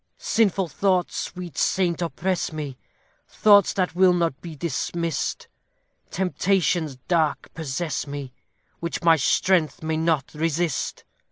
Sinful thoughts, sweet saint, oppress me, Thoughts that will not be dismissed; Temptations dark possess me, Which my strength may not resist.